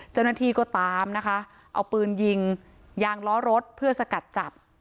เจ้าหน้าที่ก็ตามนะคะเอาปืนยิงยางล้อรถเพื่อสกัดจับ